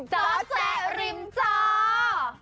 เจ้าแจริมเจ้า